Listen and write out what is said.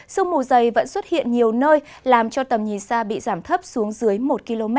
sương mù dày vẫn xuất hiện nhiều nơi làm cho tầm nhìn xa bị giảm thấp xuống dưới một km